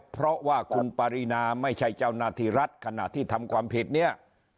เพราะว่าคุณปรินาไม่ใช่เจ้าหน้าที่รัฐขณะที่ทำความผิดเนี่ย